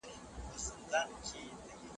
ډیپلوماټان به د وګړو غوښتنو ته غوږ نیسي.